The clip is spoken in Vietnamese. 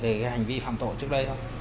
về cái hành vi phạm tội trước đây thôi